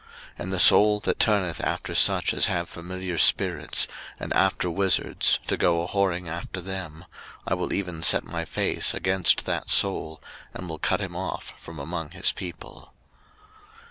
03:020:006 And the soul that turneth after such as have familiar spirits, and after wizards, to go a whoring after them, I will even set my face against that soul, and will cut him off from among his people.